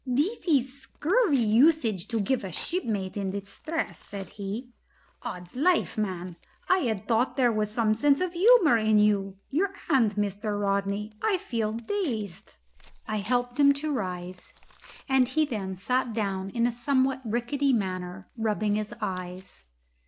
"This is scurvy usage to give a shipmate in distress," said he. "'Od's life, man! I had thought there was some sense of humour in you. Your hand, Mr. Rodney; I feel dazed." I helped him to rise, and he then sat down in a somewhat rickety manner, rubbing his eyes.